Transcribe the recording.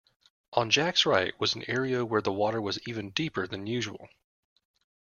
On Jack’s right was an area where the water was even deeper than usual